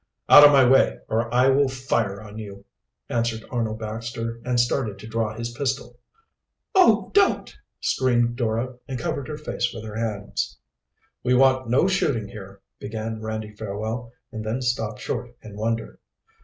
"Out of my way, or I will fire on you!" answered Arnold Baxter, and started to draw his pistol. "Oh, don't!" screamed Dora, and covered her face with her hands. "We want no shooting here " began Randy Fairwell, and then stopped short in wonder.